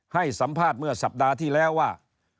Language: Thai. ให้สัมภาษณ์เมื่อสัปดาห์ที่แล้วว่า